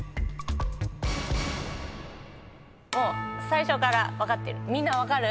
最初から分かってる。